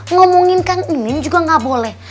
ngomongin kang ini juga gak boleh